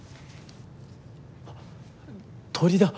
あっ鳥だ。